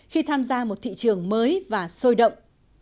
khi tham gia một thị trường mới và sôi động